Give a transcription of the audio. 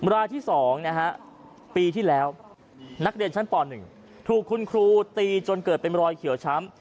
รายที่๒นะฮะปีที่แล้วนักเรียนชั้นป๑ถูกคุณครูตีจนเกิดเป็นรอยเขียวช้ำ